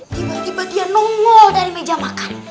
tiba tiba dia nunggu dari meja makan